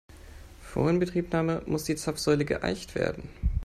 Vor Inbetriebnahme muss die Zapfsäule geeicht werden.